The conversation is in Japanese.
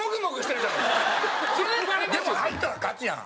でも入ったら勝ちやん。